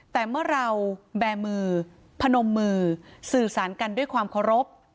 แต่เมื่อเราแบร์มือพนมมือสื่อสารกันด้วยความเคารพ